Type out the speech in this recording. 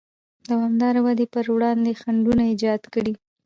دوامداره ودې پر وړاندې خنډونه ایجاد کړي.